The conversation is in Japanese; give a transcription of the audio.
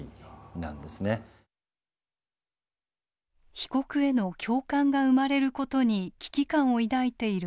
被告への共感が生まれることに危機感を抱いている中島さん。